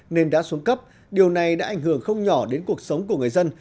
nên đã xuống cấp điều này đã ảnh hưởng không nhỏ đến cuộc sống của người dân